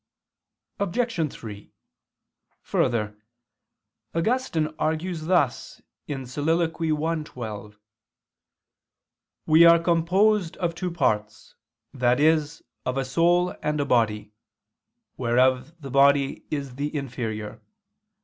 Obj. 3: Further, Augustine argues thus (Soliloq. i, 12): "We are composed of two parts, i.e. of a soul and a body, whereof the body is the inferior.